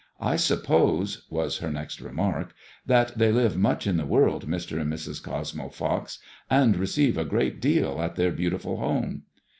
"I suppose/' was her next remark, ''that they live much in the woiid, Mr. and Mrs. Cosmo Pox, and receive a great deal at their beautiful home